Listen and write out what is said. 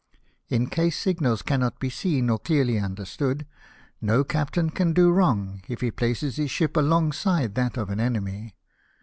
In case signals cannot be seen or clearly understood, no captain can do wrong if he places his ship alongside that of an enemy."